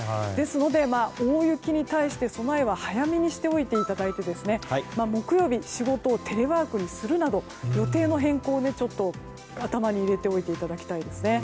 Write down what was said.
ですので、大雪に対して備えは早めにしておいていただいて木曜日は仕事をテレワークにするなど予定の変更を頭に入れておいていただきたいです。